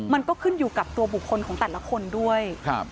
มันก็ขึ้นอยู่กับตัวบุคคลของแต่ละคนด้วย